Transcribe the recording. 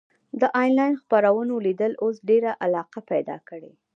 د انلاین خپرونو لیدل اوس ډېره علاقه پیدا کړې.